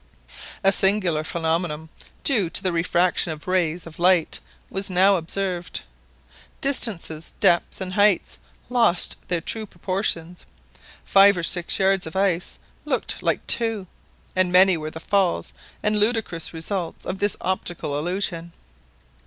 A singular phenomenon due to the refraction of rays of light was now observed: distances, depths, and heights lost their true proportions, five or six yards of ice looked like two, and many were the falls and ludicrous results of this optical illusion.